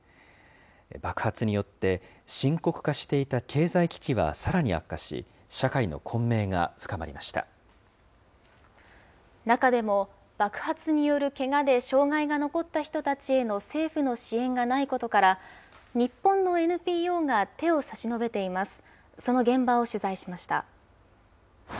爆発によって深刻化していた経済危機はさらに悪化し、社会の混迷中でも、爆発によるけがで障害が残った人たちへの政府の支援がないことから、日本のＮＰＯが手を差し伸べています。